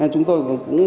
chúng tôi cũng